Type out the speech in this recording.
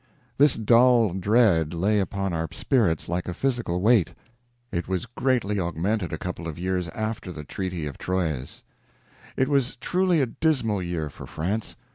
This dull dread lay upon our spirits like a physical weight. It was greatly augmented a couple of years after the Treaty of Troyes. It was truly a dismal year for France.